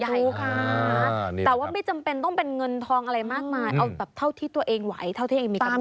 ถูกค่ะแต่ว่าไม่จำเป็นต้องเป็นเงินทองอะไรมากมายเอาแบบเท่าที่ตัวเองไหวเท่าที่เองมีกำไ